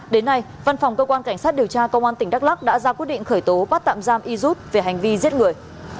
đến nay văn phòng cơ quan cảnh sát điều tra công an tỉnh đắk lắc đã ra quyết định khởi tố bắt tạm giam y jut về hành vi giết người